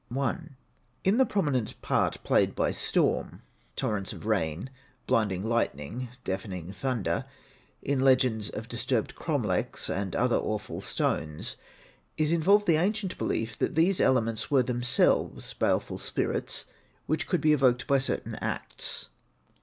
I. In the prominent part played by storm torrents of rain, blinding lightning, deafening thunder in legends of disturbed cromlechs, and other awful stones, is involved the ancient belief that these elements were themselves baleful spirits, which could be evoked by certain acts.